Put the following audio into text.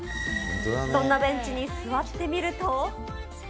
そんなベンチに座ってみると。